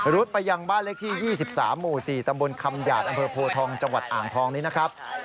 ไปยังบ้านเลขที่๒๓หมู่๔ตำบลคำหยาดอำเภอโพทองจังหวัดอ่างทองนี้นะครับ